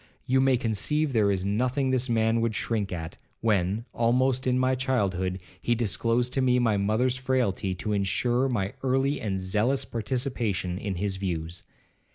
You may conceive there is nothing this man would shrink at, when, almost in my childhood, he disclosed to me my mother's frailty, to insure my early and zealous participation in his views.